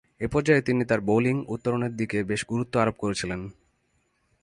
এ পর্যায়ে তিনি তার বোলিং উত্তরণের দিকে বেশ গুরুত্ব আরোপ করেছিলেন।